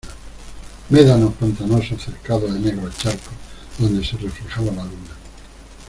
médanos pantanosos cercados de negros charcos donde se reflejaba la luna